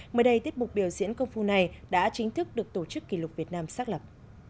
mới đây tiết mục biểu diễn công phu này đã chính thức được tổ chức kỷ lục việt nam xác lập